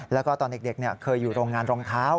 แล้วก็ตอนเด็กเคยอยู่โรงงานรองเท้า